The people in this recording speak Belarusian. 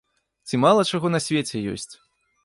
Ці мала чаго на свеце ёсць!